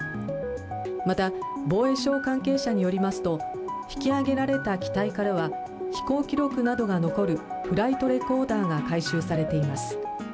また、防衛省関係者によりますと引き揚げられた機体からは飛行記録などが残るフライトレコーダーが回収されています。